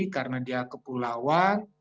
karena dia kepulauan